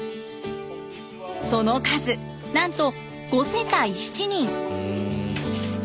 その数なんと５世帯７人。